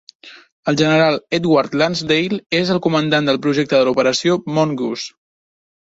El General Edward Lansdale és el comandant del projecte de l'Operació Mongoose.